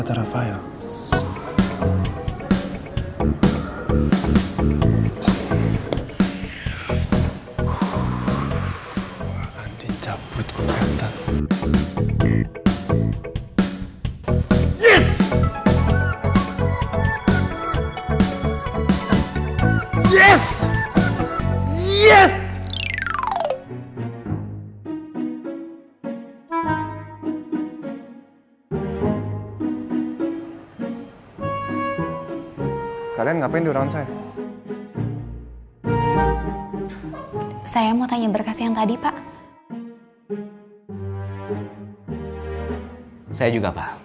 jadi teman aku berarti ya